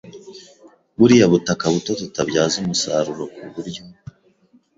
buriya butaka buto tutabyaza umusaruro kuburyo